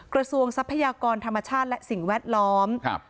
ทรัพยากรธรรมชาติและสิ่งแวดล้อมครับ